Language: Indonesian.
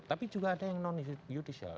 tapi juga ada yang non judicial